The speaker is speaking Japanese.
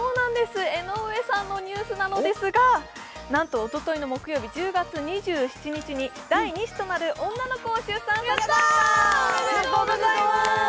江上さんのニュースなのですが、なんとおとといの木曜日１０月２７日に第２子となる女の子を出産されました。